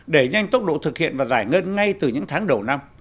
để nhanh tốc độ thực hiện và giải ngân ngay từ những tháng đầu năm